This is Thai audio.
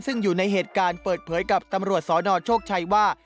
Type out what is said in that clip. ซึ่งอยู่ในเหตุการณ์เปิดเผยกับตำรวจสนโชคชัยว่า